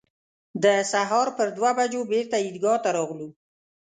د سهار پر دوه بجو بېرته عیدګاه ته راغلو.